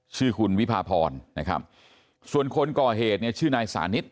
ชื่อคุณวิพาพรนะครับส่วนคนก่อเหตุเนี่ยชื่อนายสานิท